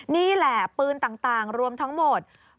นี่แหละปืนต่างรวมทั้งหมด